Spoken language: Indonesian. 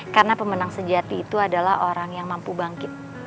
karena pemenang sejati itu adalah orang yang mampu bangkit